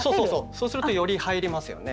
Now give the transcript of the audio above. そうするとより入りますよね。